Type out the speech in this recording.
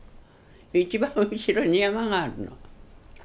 一番後ろに山があるの。